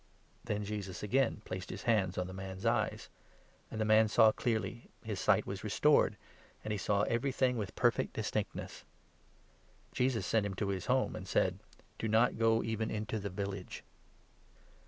Then Jesus again placed his hands on the man's eyes ; and the man saw clearly, his sight was restored, and he saw every thing with perfect distinctness. Jesus sent him to his home, and said :" Do not go even into the village."